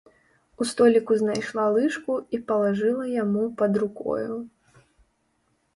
У століку знайшла лыжку і палажыла яму пад рукою.